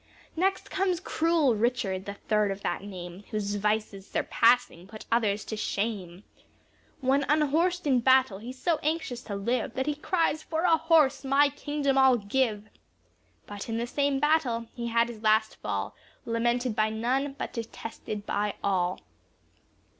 Next comes cruel Richard, the third of that name, Whose vices surpassing put others to shame. When unhorsed in battle, he's so anxious to live, That he cries "for a horse, my kingdom I'll give." But in the same battle he had his last fall Lamented by none, but detested by all.